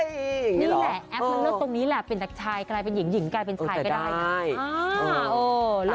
แอปมันเลิกตรงนี้แหละเป็นแต่ชายกลายเป็นหญิงหญิงกลายเป็นชายก็ได้